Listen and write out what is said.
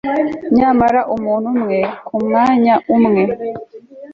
Nyamara umuntu umwe kumwanya umwe